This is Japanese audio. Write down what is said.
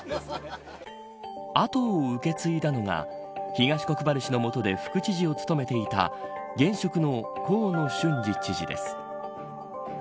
後を受け継いだのが東国原氏の下で副知事を務めていた現職の河野俊嗣知事です。